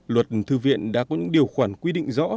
luật thư viện đã có những điều khoản quy định rõ